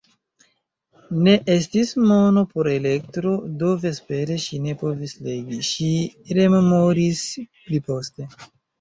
Ne estis mono por elektro, do vespere ŝi ne povis legi, ŝi rememoris pliposte.